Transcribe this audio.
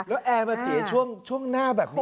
แล้วแอร์มาเสียช่วงหน้าแบบนี้